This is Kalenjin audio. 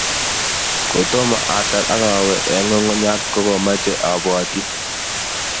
kotomo atar ak awe eng nyungunyat kogameche abwatyi